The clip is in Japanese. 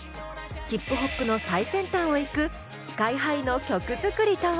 ヒップホップの最先端を行くＳＫＹ−ＨＩの曲作りとは！？